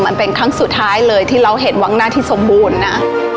มันเป็นครั้งสุดท้ายเลยที่เราเห็นวังหน้าที่สมบูรณ์นะ